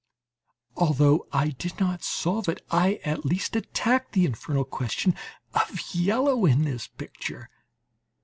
Although I did not solve it, I at least attacked the infernal question of yellow in this picture.